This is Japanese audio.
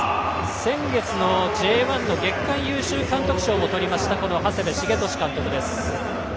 先月、Ｊ１の月間優秀監督賞も取りました、長谷部茂利監督です。